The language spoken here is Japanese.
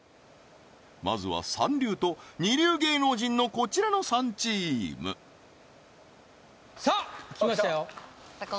まずは三流と二流芸能人のこちらの３チームさあ来ましたよさあ